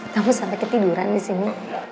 kamu sampai ketiduran disini